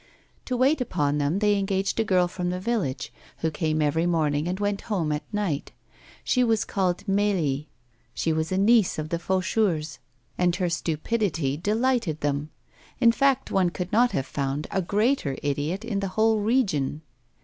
To wait upon them they engaged a girl from the village, who came every morning and went home at night. She was called Mélie, she was a niece of the Faucheurs, and her stupidity delighted them. In fact, one could not have found a greater idiot in the whole region.